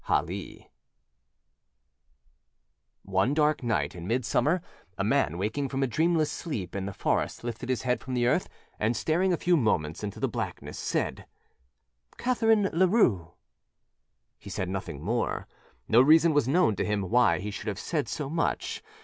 â_Hali_. ONE dark night in midsummer a man waking from a dreamless sleep in a forest lifted his head from the earth, and staring a few moments into the blackness, said: âCatherine Larue.â He said nothing more; no reason was known to him why he should have said so much.